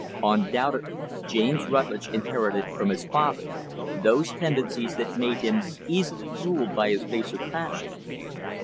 Undoubtedly, James Rutlidge inherited from his father those tendencies that made him easily ruled by his baser passions.